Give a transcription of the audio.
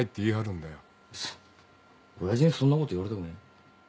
親父にそんなこと言われたくねえ。